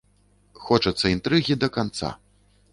Хочацца інтрыгі да канца.